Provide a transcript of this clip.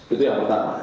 itu yang pertama